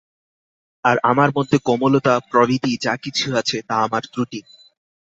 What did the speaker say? আর আমার মধ্যে কোমলতা প্রভৃতি যা কিছু আছে, তা আমার ত্রুটি।